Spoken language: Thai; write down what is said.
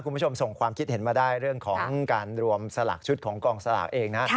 คุณผู้ชมส่งความคิดเห็นมาได้เรื่องของการรวมสลากชุดของกองสลากเองนะ